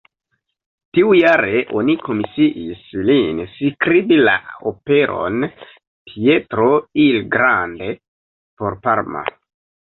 Tiujare oni komisiis lin skribi la operon "Pietro il Grande" por Parma.